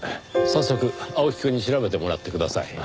早速青木くんに調べてもらってください。